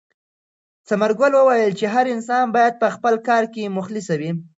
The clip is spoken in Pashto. ثمرګل وویل چې هر انسان باید په خپل کار کې مخلص وي.